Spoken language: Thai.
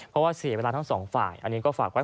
เพราะว่าเสียเวลาทั้งสองฝ่ายอันนี้ก็ฝากไว้